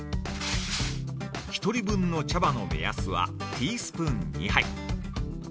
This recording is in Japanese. ◆１人分の茶葉の目安はティースプーン２杯。